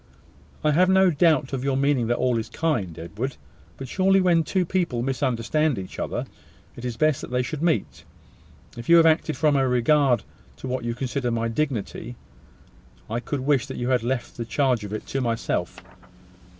"I have no doubt of your meaning all that is kind, Edward: but surely when two people misunderstand each other, it is best that they should meet. If you have acted from a regard to what you consider my dignity, I could wish that you had left the charge of it to myself."